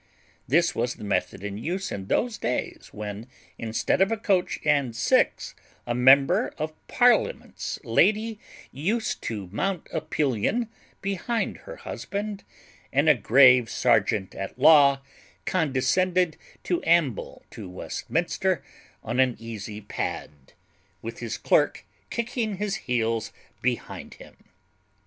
This was the method in use in those days when, instead of a coach and six, a member of parliament's lady used to mount a pillion behind her husband; and a grave serjeant at law condescended to amble to Westminster on an easy pad, with his clerk kicking his heels behind him.